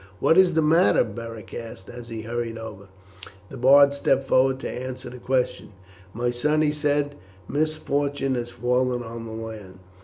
"What is the matter?" Beric asked as he hurried forward. The bard stepped forward to answer the question. "My son," he said, "misfortune has fallen on the land.